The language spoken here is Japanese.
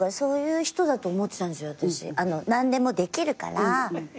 何でもできるから。